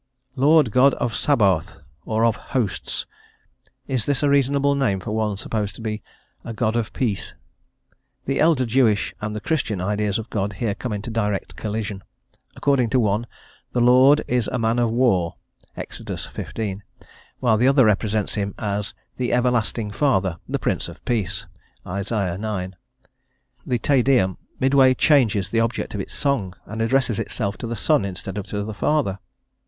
"Lord God of Sabaoth," or of "Hosts;" is this a reasonable name for one supposed to be a "God of peace?" The elder Jewish and the Christian ideas of God here come into direct collision: according to one, "the Lord is a man of war" (Ex. xv.), while the other represents him as "the Everlasting Father, the Prince of Peace" (Isai. ix.). The Te Deum midway changes the object of its song, and addresses itself to the Son instead of to the Father.